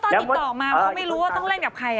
เอาล่ะตอนกินต่อมาเขาไม่รู้ว่าต้องเล่นกับใคร